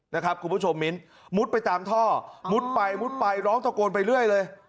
นะครับคุณผู้ชมมิ้นมุดไปตามท่อมุดไปมุดไปร้องตะโกนไปเรื่อยเลย